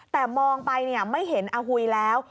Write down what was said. แต่มองไปไม่เห็นอาหุยแล้ว